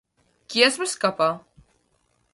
Qui es va escapar?